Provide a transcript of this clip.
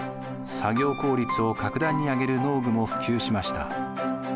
作業効率を格段に上げる農具も普及しました。